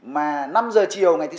mà năm h chiều ngày thứ sáu